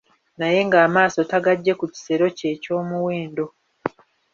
Naye ng'amaaso tagaggye ku kisero kye eky'omuwendo.